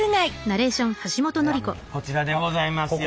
あっこちらでございますよ。